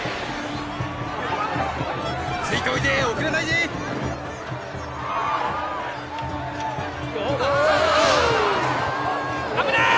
ついておいで遅れないで・おおおおおお・危ない！